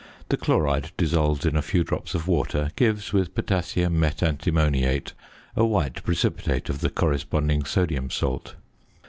The chloride dissolved in a few drops of water gives with potassium metantimoniate, a white precipitate of the corresponding sodium salt.